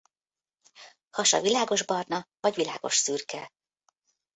Hasa világosbarna vagy világosszürke.